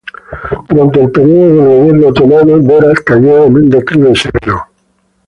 Durante el período del gobierno otomano, Berat cayó en un declive severo.